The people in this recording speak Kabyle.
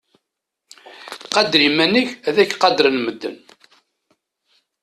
Qader iman-ik ad ak-qadren medden.